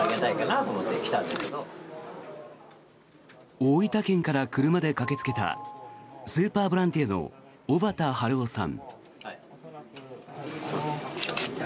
大分県から車で駆けつけたスーパーボランティアの尾畠春夫さん。